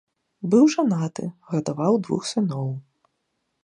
Быў жанаты, гадаваў двух сыноў.